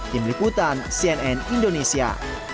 kim liputan cnn indonesia